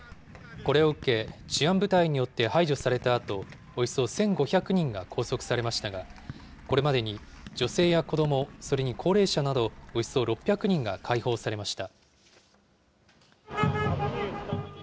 これを受け、治安部隊によって排除されたあと、およそ１５００人が拘束されましたが、これまでに女性や子ども、それに高齢者などおよそ６００人が解放されました。